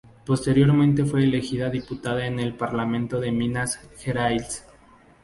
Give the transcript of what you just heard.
Posteriormente fue elegida diputada en el parlamento de Minas Gerais.